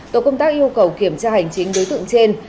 tổ công tác yêu cầu kiểm tra hành chính đối tượng trên